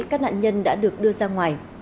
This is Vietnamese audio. các nạn nhân đã được đưa ra ngoài